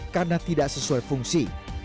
karena tidak sesuai fungsi